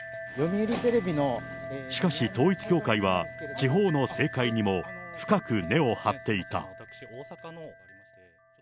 しかし、統一教会は地方の政界にも深く根を張っていた。